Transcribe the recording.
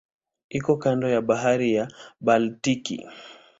Iko kando ya Bahari ya Baltiki.